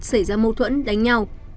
xảy ra mâu thuẫn đánh nhau